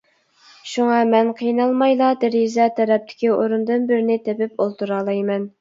شۇڭا مەن قىينالمايلا دېرىزە تەرەپتىكى ئورۇندىن بىرنى تېپىپ ئولتۇرالايمەن.